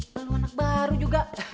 lu anak baru juga